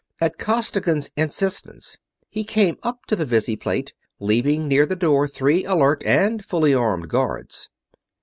At Costigan's insistence, he came up to the visiplate, leaving near the door three alert and fully armed guards.